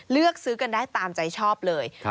เลือกซื้อกันได้ตามใจชอบเลย